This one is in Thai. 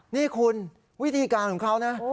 นี่คุณวิธีการของเขานะ